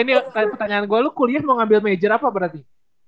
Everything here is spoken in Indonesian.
ini pertanyaan gue lu kuliah mau ngambil major apa berarti